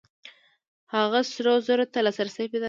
هغه سرو زرو ته لاسرسی پیدا کوي.